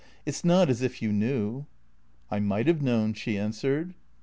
" It 's not as if you knew." " I might have known," she answered.